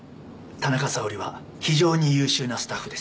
田中沙織は非常に優秀なスタッフです。